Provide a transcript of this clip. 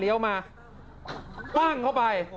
เรียวมาวางเข้าไป